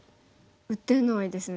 打てないですね。